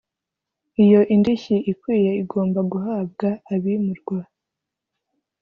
iyo indishyi ikwiye igomba guhabwa abimurwa